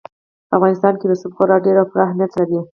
په افغانستان کې رسوب خورا ډېر او پوره اهمیت لري.